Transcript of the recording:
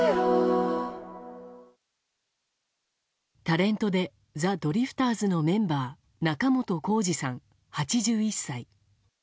タレントでザ・ドリフターズのメンバー仲本工事さん、８１歳。